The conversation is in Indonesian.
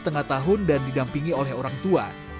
tengah tahun dan didampingi oleh orang tua